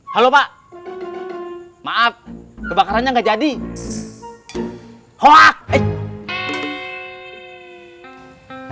hallo pak maaf kebakarannya nggak jadi hoax